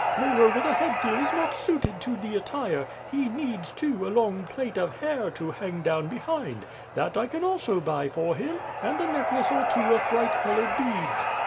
Moreover the headgear is not suited to the attire; he needs, too, a long plait of hair to hang down behind. That I can also buy for him, and a necklace or two of bright coloured beads.